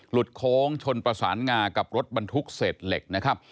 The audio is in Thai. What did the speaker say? โค้งชนประสานงากับรถบรรทุกเศษเหล็กนะครับ